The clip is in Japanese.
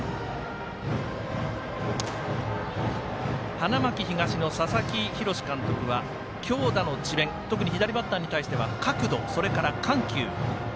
花巻東の佐々木洋監督は強打の智弁特に左バッターに対しては角度、それから緩急。